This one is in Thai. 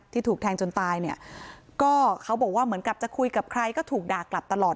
ถูกแทงจนตายเนี่ยก็เขาบอกว่าเหมือนกับจะคุยกับใครก็ถูกด่ากลับตลอด